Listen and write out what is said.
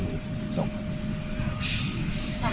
ไม่ต่อไป